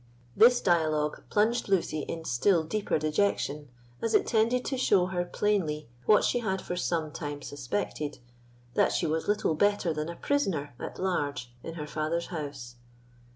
This dialogue plunged Lucy in still deeper dejection, as it tended to show her plainly what she had for some time suspected, that she was little better than a prisoner at large in her father's house.